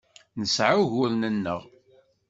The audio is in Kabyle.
Nesɛa uguren-nneɣ.